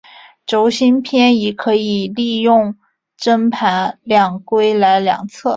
轴心偏移可以利用针盘量规来量测。